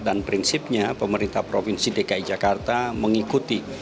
dan prinsipnya pemerintah provinsi dki jakarta mengikuti